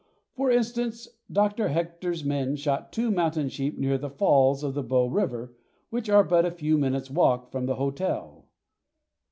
For instance, Dr. Hector's men shot two mountain sheep near the falls of the Bow River, which are but a few minutes' walk from the hotel.